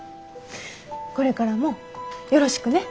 これからもよろしくね。